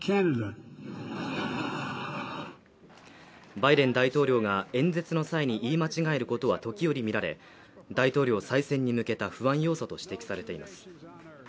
バイデン大統領が演説の際に言い間違えることは時折見られ、大統領再選に向けた不安要素と指摘されています。